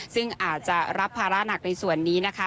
ซึ่งอาจจะรับภาระหนักในส่วนนี้นะคะ